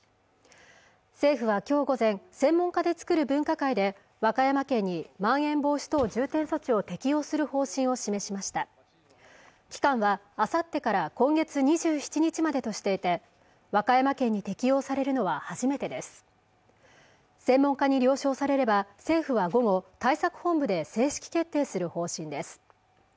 政府はきょう午前専門家で作る分科会で和歌山県にまん延防止等重点措置を適用する方針を示しました期間はあさってから今月２７日までとしていて和歌山県に適用されるのは初めてです専門家に了承されれば政府は午後対策本部で正式決定する方針です